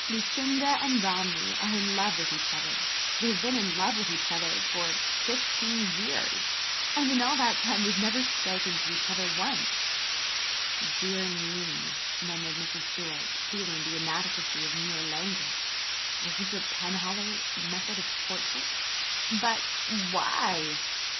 Lucinda and Romney are in love with each other. They have been in love with each other for fifteen years and in all that time they have never spoken to each other once!" "Dear me!" murmured Mrs. George, feeling the inadequacy of mere language. Was this a Penhallow method of courtship? "But why?